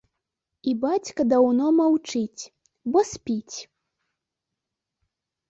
І бацька даўно маўчыць, бо спіць.